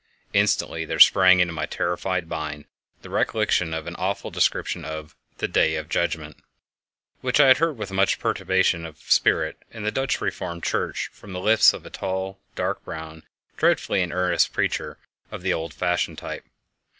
Instantly there sprang into my terrified mind the recollection of an awful description of "the Day of Judgment" (the Dies Iræ), which I had heard with much perturbation of spirit in the Dutch Reformed church from the lips of a tall, dark browed, dreadfully in earnest preacher of the old fashioned type.